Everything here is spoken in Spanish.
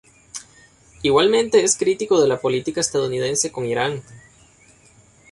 Igualmente es crítico de la política estadounidense con Irán.